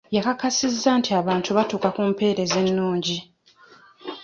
Yakakasizza nti abantu batuuka ku mpeereza ennungi.